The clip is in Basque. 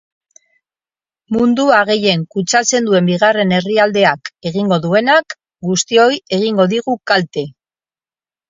Mundua gehien kutsatzen duen bigarren herrialdeak egingo duenak guztioi egingo digu kalte.